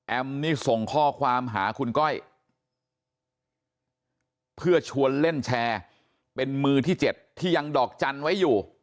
นี่ส่งข้อความหาคุณก้อยเพื่อชวนเล่นแชร์เป็นมือที่๗ที่ยังดอกจันทร์ไว้อยู่